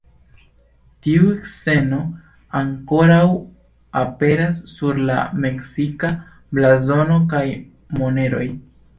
Tiu sceno ankoraŭ aperas sur la meksika blazono kaj moneroj.